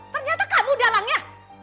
ternyata kamu dalangnya